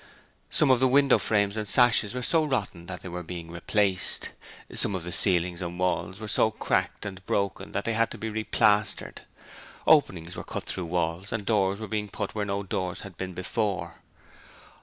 Some of the window frames and sashes were so rotten that they were being replaced. Some of the ceilings and walls were so cracked and broken that they had to be replastered. Openings were cut through walls and doors were being put where no doors had been before.